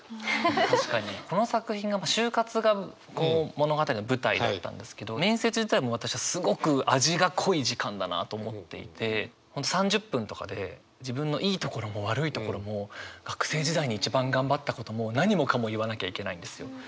確かにこの作品が就活が物語の舞台だったんですけど面接自体私はすごく味が濃い時間だなと思っていて３０分とかで自分のいいところも悪いところも学生時代に一番頑張ったことも何もかも言わなきゃいけないんですよ。